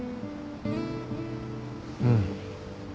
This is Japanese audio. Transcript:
うん。